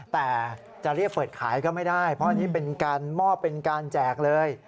แต่จะเรียกเปิดขายก็ไม่ได้เพราะอันนี้เป็นการมอบเป็นการแจกเลย